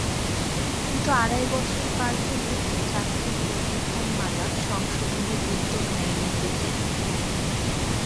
কিন্তু আড়াই বছর পার হলেও চাকরি প্রবিধানমালা সংশোধনের উদ্যোগ নেয়নি বিকেবি।